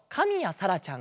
さらちゃん。